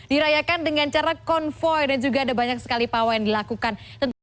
dirayakan dengan cara konvoy dan juga ada banyak sekali pawai yang dilakukan tentu